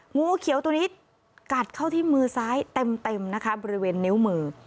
งูเขียวตัวนี้กัดเข้าที่มือซ้ายเต็มนะคะบริเวณนิ้วมือ